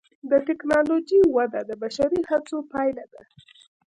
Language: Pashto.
د ټکنالوجۍ وده د بشري هڅو پایله ده.